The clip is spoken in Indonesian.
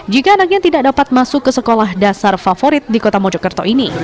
jika anaknya tidak dapat masuk ke sekolah dasar favorit di kota mojokerto ini